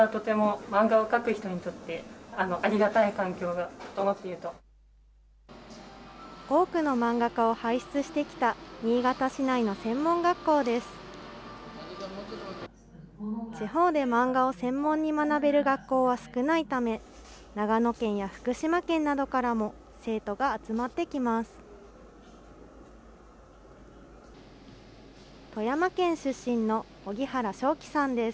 地方で漫画を専門に学べる学校は少ないため、長野県や福島県などからも、生徒が集まってきます。